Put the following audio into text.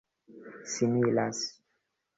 similas